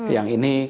yang ini kembali